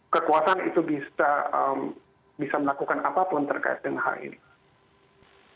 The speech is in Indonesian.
kekuasaan itu bisa melakukan apapun terkait dengan hal ini